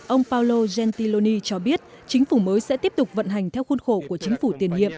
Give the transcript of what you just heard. ông paolo jentiloni cho biết chính phủ mới sẽ tiếp tục vận hành theo khuôn khổ của chính phủ tiền nhiệm